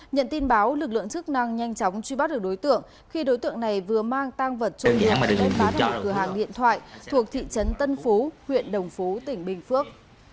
nhận tin báo lực lượng chức năng nhanh chóng truy bắt được đối tượng khi đối tượng này vừa mang tang vật chung với đất bá thành cửa hàng điện thoại thuộc thị trấn tân phú huyện đồng phú tỉnh bình phước